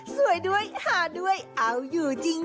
สวยด้วยหาด้วยเอาอยู่จริง